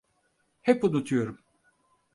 Hep unutuyorum.